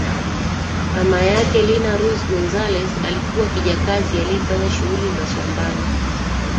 Mama yake Lina Ruz González alikuwa kijakazi aliyefanya shughuli za shambani